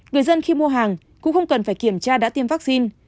người dân khi mua hàng cũng không cần phải kiểm tra đã tiêm vaccine